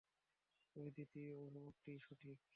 তবে দ্বিতীয় অভিমতটিই সঠিক।